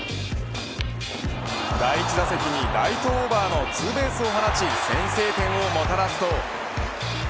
第１打席にライトオーバーのツーベースを放ち先制点をもたらすと。